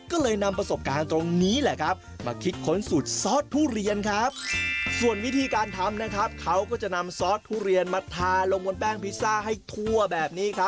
ก็เลยนำประสบการณ์ตรงนี้มาคิดค้นสุดซอสทุเรียนครับ